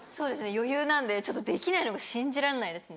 余裕なんでできないのが信じらんないですね。